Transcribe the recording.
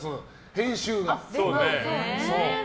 編集が。